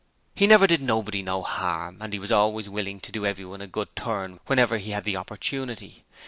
He never did no harm to nobody, and he was always wiling to do anyone a good turn whenever he had the opportunity.